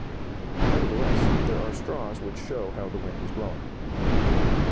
Nevertheless, there are straws which show how the wind is blowing.